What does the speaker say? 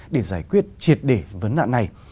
để giải quyết triệt để vấn nạn này